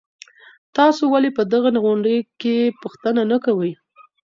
تاسو ولي په دغه غونډې کي پوښتنه نه کوئ؟